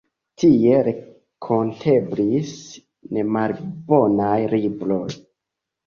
Tie renkonteblis nemalbonaj libroj.